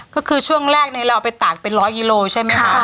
ก็คือช่วงแรกเราเอาไปตากเป็นร้อยกิโลใช่ไหมคะ